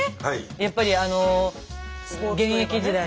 やっぱり現役時代。